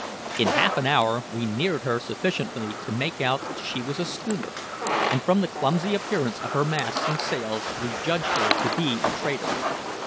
In half an hour we neared her sufficiently to make out that she was a schooner, and from the clumsy appearance of her masts and sails we judged her to be a trader.